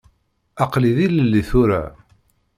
Aql-i d ilelli tura.